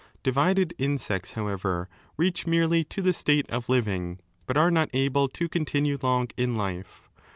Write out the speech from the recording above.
Divided insects, however, reach merely to the state of living, but are not able to continue long in life.